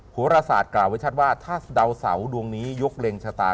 โหรศาสตร์กล่าวไว้ชัดว่าถ้าดาวเสาดวงนี้ยกเล็งชะตา